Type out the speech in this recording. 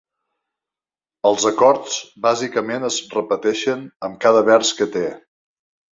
Els acords bàsicament es repeteixen amb cada vers que té.